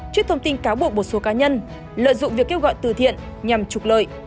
trước thông tin cáo buộc một số cá nhân lợi dụng việc kêu gọi từ thiện nhằm trục lợi